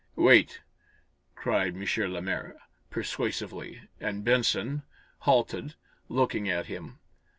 "Wait!" cried M. Lemaire, persuasively, and Benson, halted, looking at him.